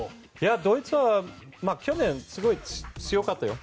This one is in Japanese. ドイツは去年すごい強かったよ。